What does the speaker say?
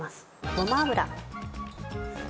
ごま油。